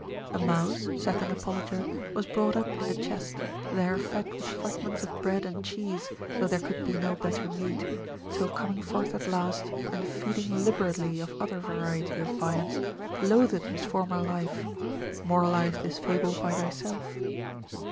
A mouse (saith an apologer) was brought up in a chest, there fed with fragments of bread and cheese, though there could be no better meat, till coming forth at last, and feeding liberally of other variety of viands, loathed his former life: moralise this fable by thyself.